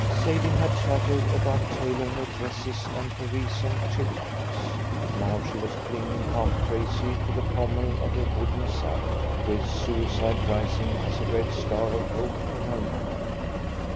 Sadie had chattered about tailor made dresses and Parisian chiffons. Now she was clinging, half crazy, to the pommel of a wooden saddle, with suicide rising as a red star of hope in her mind.